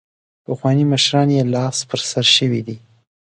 پخواني مشران یې لاس په سر شوي دي.